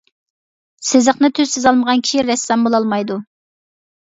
سىزىقنى تۈز سىزالمىغان كىشى رەسسام بولالمايدۇ.